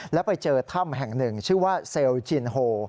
แล้วไปเจอถ้ำแห่งหนึ่งชื่อว่าเซลล์จินโฮ